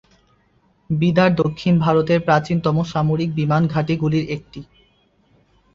বিদার দক্ষিণ ভারতের প্রাচীনতম সামরিক বিমান ঘাঁটি গুলির একটি।